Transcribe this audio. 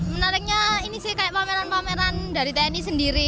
menariknya ini sih kayak pameran pameran dari tni sendiri